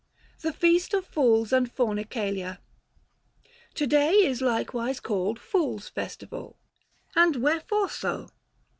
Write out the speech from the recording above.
THE FEAST OF FOOLS AND FOKNICALIA. To day is likewise called Fools' Festival ; And wherefore so